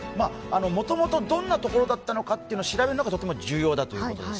もともとどんなところだったのかを調べるのがとても重要だそうです。